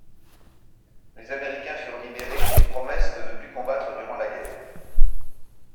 Les Américains furent libérés sur promesse de ne plus combattre durant la guerre.